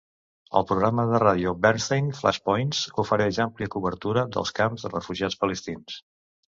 El programa de ràdio de Bernstein, Flashpoints, ofereix àmplia cobertura dels camps de refugiats palestins.